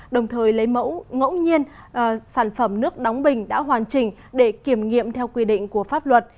đồng thời lấy mẫu ngẫu nhiên sản phẩm nước đóng bình đã hoàn chỉnh để kiểm nghiệm theo quy định của pháp luật